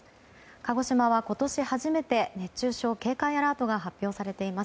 鹿児島は、今年初めて熱中症警戒アラートが発表されています。